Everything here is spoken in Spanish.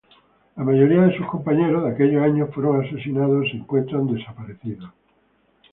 La mayoría de sus compañeros de aquellos años fueron asesinados o se encuentran desaparecidos.